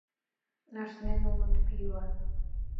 Ашнен улыт пийла.